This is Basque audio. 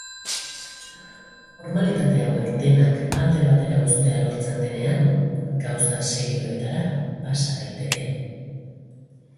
Formalitate hauek denak alde batera uztea lortzen denean, gauza serioetara pasa daiteke.